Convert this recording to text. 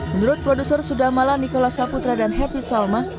menurut produser sudamala nikola saputra dan happy salma